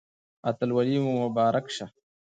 اتلولي مو مبارک شه